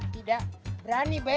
tidak berani be